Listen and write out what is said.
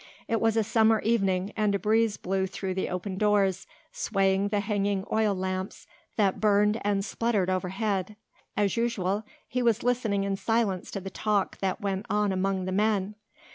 It was a summer evening and a breeze blew through the open doors swaying the hanging oil lamps that burned and sputtered overhead. As usual he was listening in silence to the talk that went on among the men.